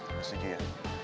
aku setuju ya